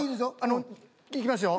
あのいきますよ